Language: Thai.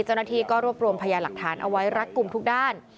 เจ้าหน้าที่ก็รวบรวมพยาหลักฐานเอาไว้รัดกลุ่มทุกด้าน